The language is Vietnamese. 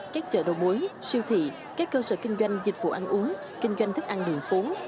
các chợ đồ mối siêu thị các cơ sở kinh doanh dịch vụ ăn uống kinh doanh thức ăn đường phố